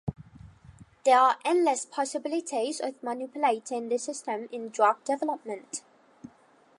There are endless possibilities of manipulating this system in drug development.